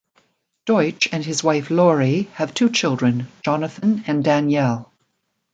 Deutsch and his wife Lori have two children, Jonathan and Danielle.